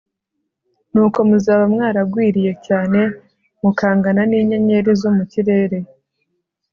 nubwo muzaba mwaragwiriye cyane mukangana n'inyenyeri zo mu kirere